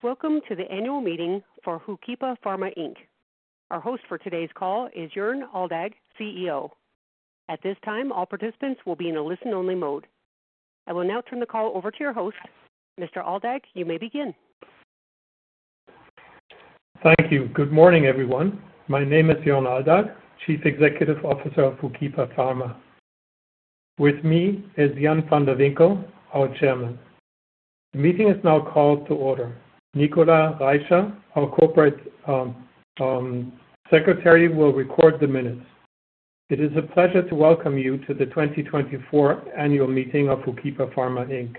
Welcome to the annual meeting for HOOKIPA Pharma Inc. Our host for today's call is Jörn Aldag, CEO. At this time, all participants will be in a listen-only mode. I will now turn the call over to your host. Mr. Aldag, you may begin. Thank you. Good morning, everyone. My name is Jörn Aldag, Chief Executive Officer of HOOKIPA Pharma. With me is Jan van de Winkel, our Chairman. The meeting is now called to order. Nicolas Reischer, our Corporate Secretary, will record the minutes. It is a pleasure to welcome you to the 2024 annual meeting of HOOKIPA Pharma Inc.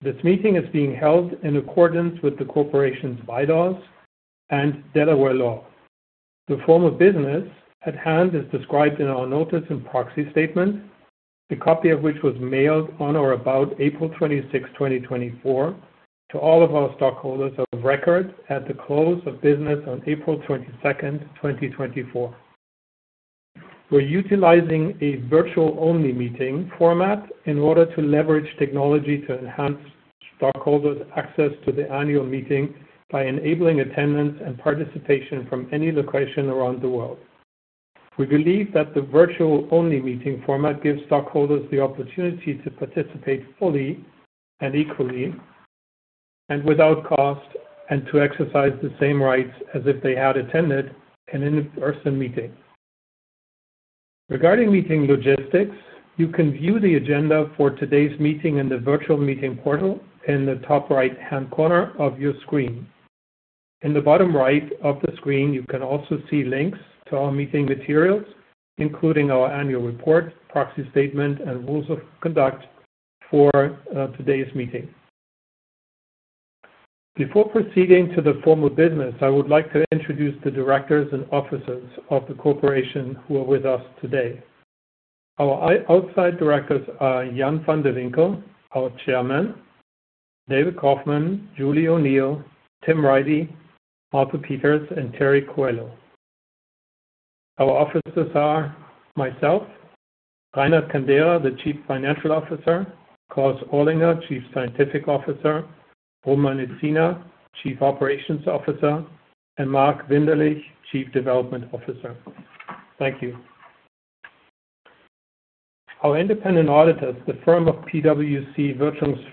This meeting is being held in accordance with the Corporation's bylaws and Delaware law. The formal business at hand is described in our Notice and Proxy Statement, a copy of which was mailed on or about April 26, 2024, to all of our stockholders of record at the close of business on April 22, 2024. We're utilizing a virtual-only meeting format in order to leverage technology to enhance stockholders' access to the annual meeting by enabling attendance and participation from any location around the world. We believe that the virtual-only meeting format gives stockholders the opportunity to participate fully and equally and without cost, and to exercise the same rights as if they had attended an in-person meeting. Regarding meeting logistics, you can view the agenda for today's meeting in the virtual meeting portal in the top right-hand corner of your screen. In the bottom right of the screen, you can also see links to our meeting materials, including our Annual Report, Proxy Statement, and Rules of Conduct for Today's Meeting. Before proceeding to the formal business, I would like to introduce the directors and officers of the Corporation who are with us today. Our outside directors are Jan van de Winkel, our Chairman, David Kaufman, Julie O'Neill, Tim Reilly, Malte Peters, and Terry Coelho. Our officers are myself, Reinhard Kandera, the Chief Financial Officer, Klaus Orlinger, Chief Scientific Officer, Roman Necina, Chief Operations Officer, and Mark Winderlich, Chief Development Officer. Thank you. Our independent auditors, the firm of PwC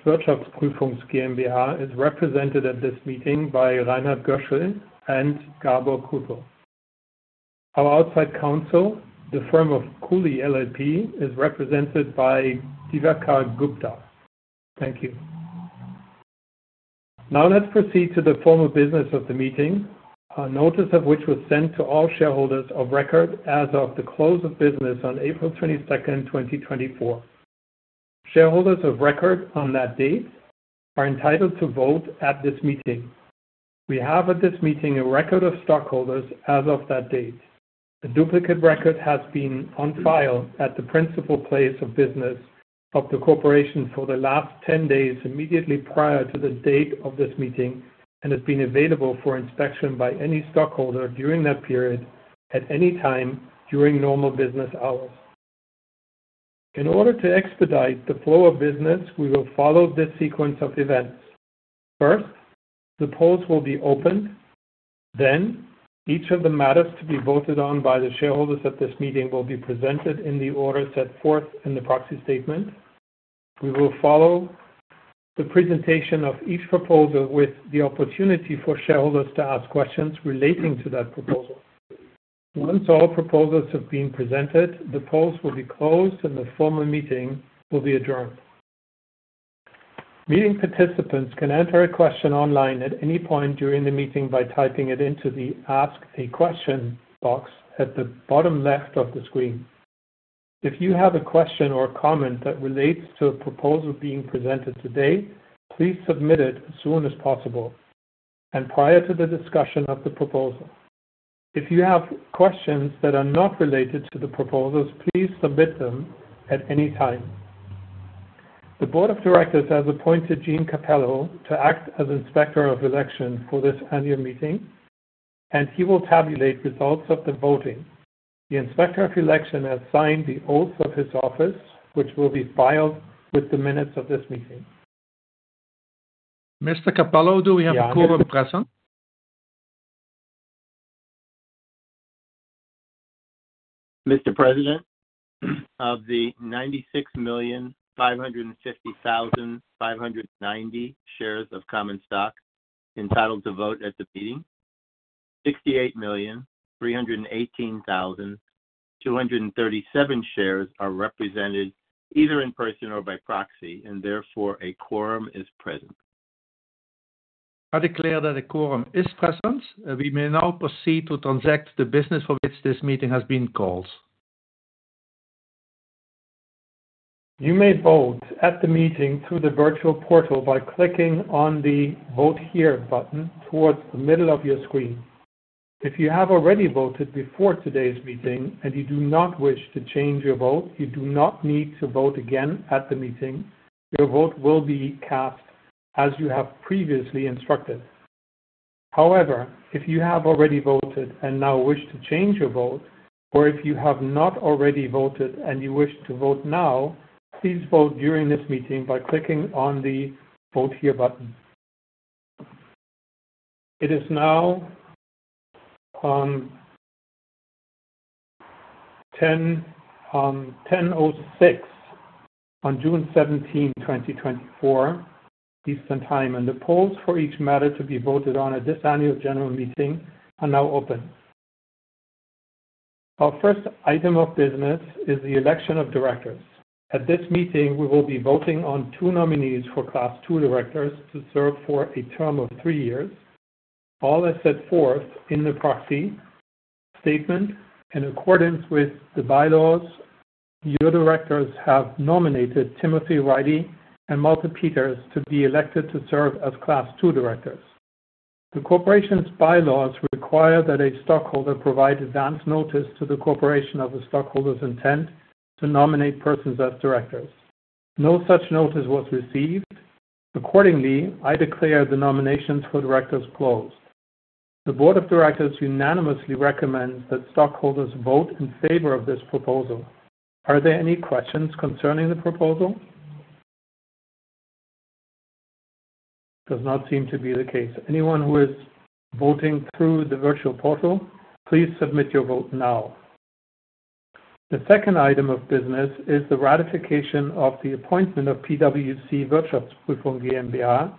Wirtschaftsprüfungs GmbH, is represented at this meeting by Reinhard Göschl and Gabor Krüpl. Our outside counsel, the firm of Cooley LLP, is represented by Divakar Gupta. Thank you. Now let's proceed to the formal business of the meeting, a notice of which was sent to all shareholders of record as of the close of business on April 22, 2024. Shareholders of record on that date are entitled to vote at this meeting. We have at this meeting a record of stockholders as of that date. A duplicate record has been on file at the principal place of business of the Corporation for the last 10 days immediately prior to the date of this meeting and has been available for inspection by any stockholder during that period at any time during normal business hours. In order to expedite the flow of business, we will follow this sequence of events. First, the polls will be opened. Then, each of the matters to be voted on by the shareholders at this meeting will be presented in the order set forth in the Proxy Statement. We will follow the presentation of each proposal with the opportunity for shareholders to ask questions relating to that proposal. Once all proposals have been presented, the polls will be closed, and the formal meeting will be adjourned. Meeting participants can enter a question online at any point during the meeting by typing it into the Ask-a-Question box at the bottom left of the screen. If you have a question or comment that relates to a proposal being presented today, please submit it as soon as possible and prior to the discussion of the proposal. If you have questions that are not related to the proposals, please submit them at any time. The Board of Directors has appointed Gene Capello to act as Inspector of Election for this annual meeting, and he will tabulate results of the voting. The Inspector of Election has signed the oath of his office, which will be filed with the minutes of this meeting. Mr. Capello, do we have a [quorum present]? Mr. President. Of the 96,550,590 shares of common stock entitled to vote at the meeting, 68,318,237 shares are represented either in person or by proxy, and therefore a quorum is present. I declare that a quorum is present. We may now proceed to transact the business for which this meeting has been called. You may vote at the meeting through the virtual portal by clicking on the Vote-Here button towards the middle of your screen. If you have already voted before today's meeting and you do not wish to change your vote, you do not need to vote again at the meeting. Your vote will be cast as you have previously instructed. However, if you have already voted and now wish to change your vote, or if you have not already voted and you wish to vote now, please vote during this meeting by clicking on the Vote-Here button. It is now 10:06 on June 17, 2024, Eastern Time. The polls for each matter to be voted on at this Annual General Meeting are now open. Our first item of business is the election of directors. At this meeting, we will be voting on two nominees for Class II directors to serve for a term of three years. All as set forth in the Proxy Statement, in accordance with the bylaws, your directors have nominated Timothy Reilly and Malte Peters to be elected to serve as Class II directors. The Corporation's bylaws require that a stockholder provide advance notice to the Corporation of the stockholder's intent to nominate persons as directors. No such notice was received. Accordingly, I declare the nominations for directors closed. The Board of Directors unanimously recommends that stockholders vote in favor of this proposal. Are there any questions concerning the proposal? Does not seem to be the case. Anyone who is voting through the virtual portal, please submit your vote now. The second item of business is the ratification of the appointment of PwC Wirtschaftsprüfungs GmbH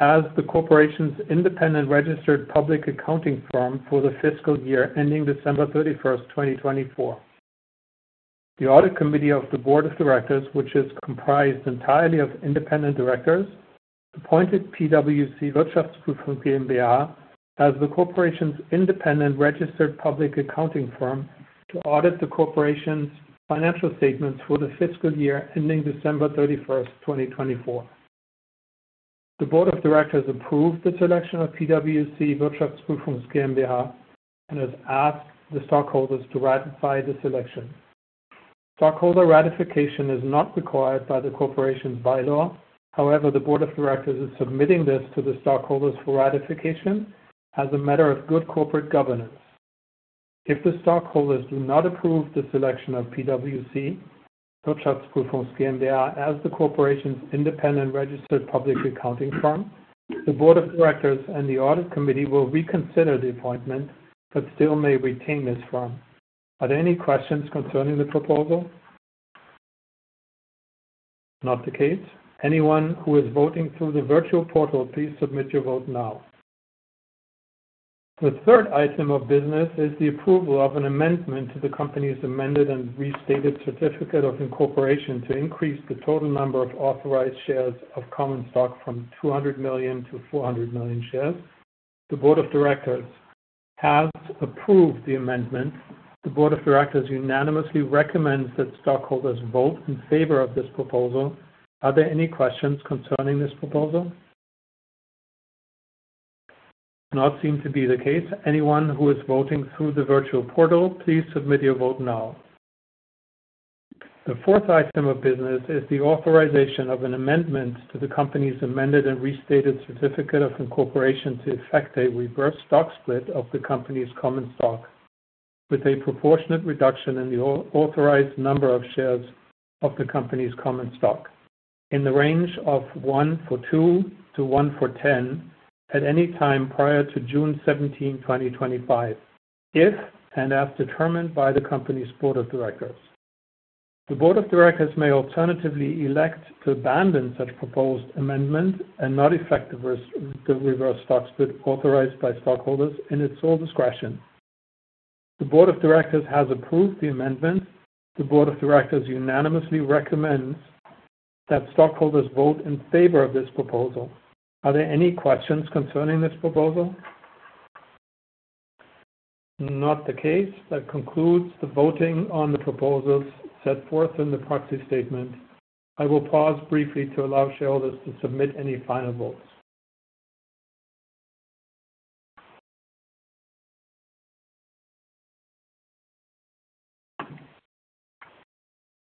as the Corporation's independent registered public accounting firm for the fiscal year ending December 31, 2024. The Audit Committee of the Board of Directors, which is comprised entirely of independent directors, appointed PwC Wirtschaftsprüfungs GmbH as the Corporation's independent registered public accounting firm to audit the Corporation's financial statements for the fiscal year ending December 31st, 2024. The Board of Directors approved the selection of PwC Wirtschaftsprüfungs GmbH and has asked the stockholders to ratify this election. Stockholder ratification is not required by the Corporation's bylaw. However, the Board of Directors is submitting this to the stockholders for ratification as a matter of good corporate governance. If the stockholders do not approve the selection of PwC Wirtschaftsprüfungs GmbH as the Corporation's independent registered public accounting firm, the Board of Directors and the Audit Committee will reconsider the appointment but still may retain this firm. Are there any questions concerning the proposal? Not the case. Anyone who is voting through the virtual portal, please submit your vote now. The third item of business is the approval of an amendment to the Company's amended and restated certificate of incorporation to increase the total number of authorized shares of common stock from 200 million to 400 million shares. The Board of Directors has approved the amendment. The Board of Directors unanimously recommends that stockholders vote in favor of this proposal. Are there any questions concerning this proposal? Not seem to be the case. Anyone who is voting through the virtual portal, please submit your vote now. The fourth item of business is the authorization of an amendment to the Company's Amended and Restated Certificate of Incorporation to effect a reverse stock split of the Company's common stock, with a proportionate reduction in the authorized number of shares of the Company's common stock in the range of 1-for-2 to 1-for-10 at any time prior to June 17, 2025, if and as determined by the Company's Board of Directors. The Board of Directors may alternatively elect to abandon such proposed amendment and not effect the reverse stock split authorized by stockholders in its sole discretion. The Board of Directors has approved the amendment. The Board of Directors unanimously recommends that stockholders vote in favor of this proposal. Are there any questions concerning this proposal? Not the case. That concludes the voting on the proposals set forth in the Proxy Statement. I will pause briefly to allow shareholders to submit any final votes.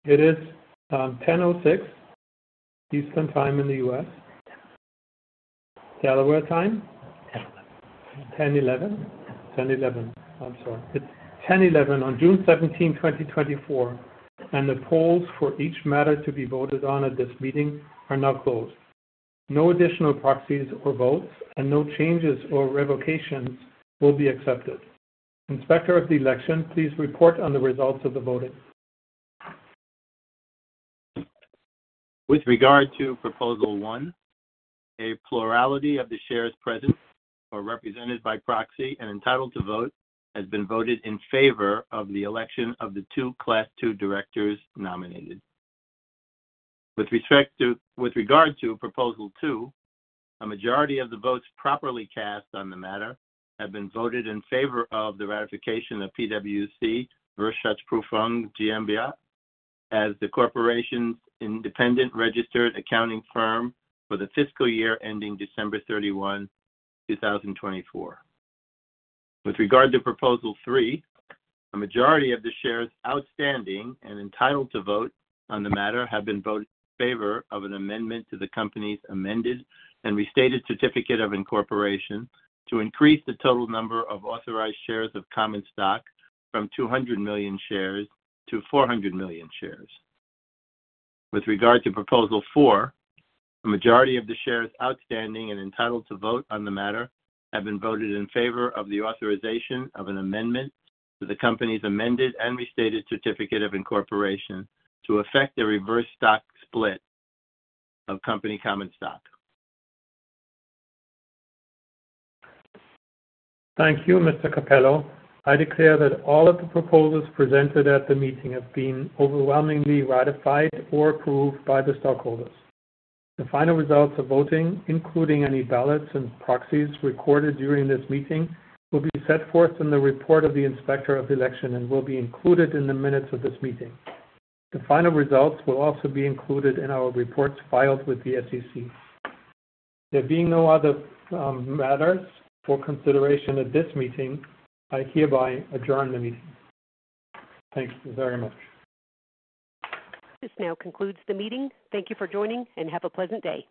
It is 10:06 Eastern Time in the U.S., Delaware time. 10:11. I'm sorry. It's 10:11 on June 17, 2024, and the polls for each matter to be voted on at this meeting are now closed. No additional proxies or votes and no changes or revocations will be accepted. Inspector of Election, please report on the results of the voting. With regard to Proposal 1, a plurality of the shares present or represented by proxy and entitled to vote has been voted in favor of the election of the two Class II directors nominated. With regard to Proposal 2, a majority of the votes properly cast on the matter have been voted in favor of the ratification of PwC Wirtschaftsprüfungs GmbH as the Corporation's independent registered accounting firm for the fiscal year ending December 31, 2024. With regard to Proposal 3, a majority of the shares outstanding and entitled to vote on the matter have been voted in favor of an amendment to the Company's Amended and Restated Certificate of Incorporation to increase the total number of authorized shares of common stock from 200 million shares to 400 million shares. With regard to Proposal 4, a majority of the shares outstanding and entitled to vote on the matter have been voted in favor of the authorization of an amendment to the Company's Amended and Restated Certificate of Incorporation to effect a reverse stock split of company common stock. Thank you, Mr. Capello. I declare that all of the proposals presented at the meeting have been overwhelmingly ratified or approved by the stockholders. The final results of voting, including any ballots and proxies recorded during this meeting, will be set forth in the report of the Inspector of Election and will be included in the minutes of this meeting. The final results will also be included in our reports filed with the SEC. There being no other matters for consideration at this meeting, I hereby adjourn the meeting. Thanks very much. This now concludes the meeting. Thank you for joining and have a pleasant day.